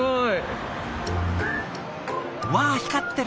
わあ光ってる！